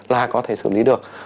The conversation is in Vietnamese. là có thể xử lý được